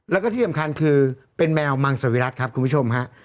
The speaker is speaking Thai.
แล้วก็ที่สำคัญคือเป็นแมวมังสวิรัติครับคุณผู้ชมฮะ